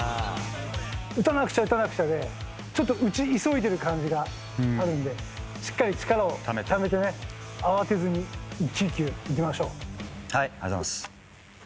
打たなくちゃ、打たなくちゃで、ちょっと打ち急いでる感じがあるんで、しっかり力をためて、はい、ありがとうございます。